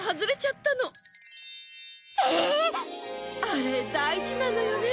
あれ大事なのよね。